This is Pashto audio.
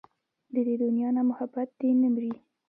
د دې دنيا نه محبت دې نه مري